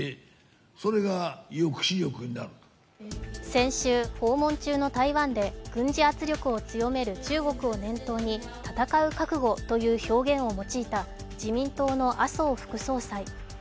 先週、訪問中の台湾で軍事圧力を強める中国を念頭に戦う覚悟という表現を用いた自民党の麻生副総裁。